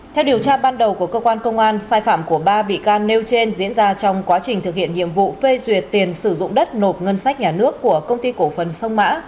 theo điều tra ban đầu của cơ quan công an sai phạm của ba bị can nêu trên diễn ra trong quá trình thực hiện nhiệm vụ phê duyệt tiền sử dụng đất nộp ngân sách nhà nước của công ty cổ phần sông mã